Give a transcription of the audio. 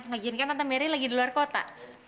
lagian kan tante mary lagi di luar kota